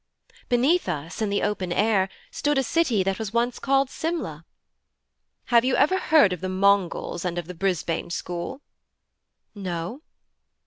'Beneath us, in the open air, stood a city that was once called Simla.' 'Have you ever heard of the Mongols and of the Brisbane school?' 'No.'